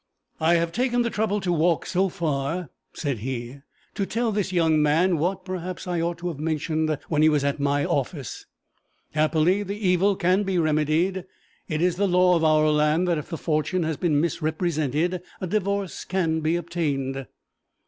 'I have taken the trouble to walk so far,' said he, 'to tell this young man what, perhaps, I ought to have mentioned when he was at my office. Happily, the evil can be remedied. It is the law of our land that if the fortune has been misrepresented, a divorce can be obtained.'